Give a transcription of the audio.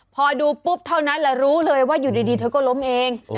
พอดูปุ๊บเท่านั้นแหละรู้เลยว่าอยู่ดีเธอก็ล้มเอง